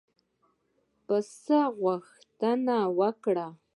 پیسو غوښتنه وکړه.